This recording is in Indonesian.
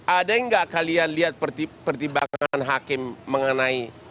ada nggak kalian lihat pertimbangan hakim mengenai